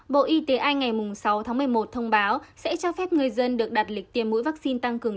bộ y tế anh ngày sáu tháng một mươi một thông báo sẽ cho phép người dân được đặt lịch tiêm mũi vaccine tăng cường